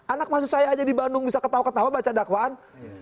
anak maksud saya aja di bandung bisa ketawa ketawa baca dakwaan